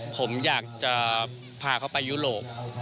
ผมอยากจะพาเขาไปยุโรป